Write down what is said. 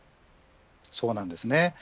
そうなんですね。